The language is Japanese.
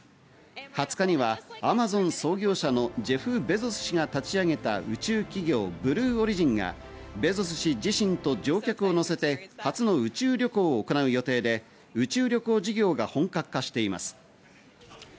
２０日にはアマゾン創業者のジェフ・ベゾス氏が立ち上げた宇宙企業ブルーオリジンがベゾス氏自身と乗客を乗せて初の宇宙旅行を行う予定で、宇宙旅行事業が本格化しています。